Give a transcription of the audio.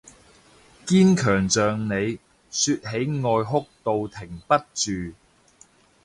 堅強像你，說起愛哭到停不住